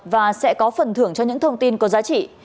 và sẽ có phần thưởng cho những thông tin có giá trị